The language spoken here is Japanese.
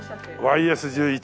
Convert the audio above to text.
ＹＳー１１！